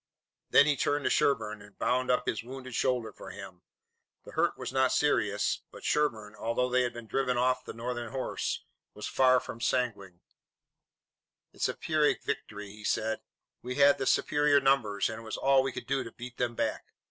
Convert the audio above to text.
Then he turned to Sherburne and bound up his wounded shoulder for him. The hurt was not serious, but Sherburne, although they had driven off the Northern horse, was far from sanguine. "It's a Pyrrhic victory," he said. "We had the superior numbers, and it was all we could do to beat them back.